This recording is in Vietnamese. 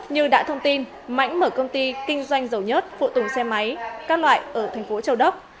như đã thông tin mãnh mở công ty kinh doanh dầu nhớt phụ tùng xe máy các loại ở thành phố châu đốc